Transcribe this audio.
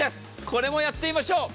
これもやってみましょう。